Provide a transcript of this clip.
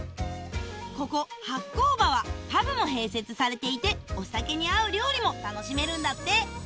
ここｈａｃｃｏｂａはパブも併設されていてお酒に合う料理も楽しめるんだって